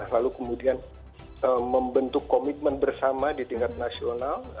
lalu kemudian membentuk komitmen bersama di tingkat nasional